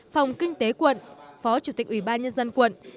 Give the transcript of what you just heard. phòng kinh tế quận phó chủ tịch ubnd tp